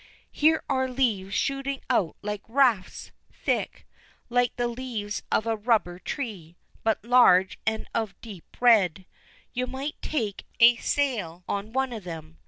Here are leaves shooting out like rafts, thick, like the leaves of a rubber tree, but larger and of a deep red. You might take a sail on one of them.